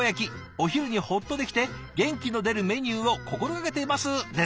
お昼にほっとできて元気の出るメニューを心がけています」ですって。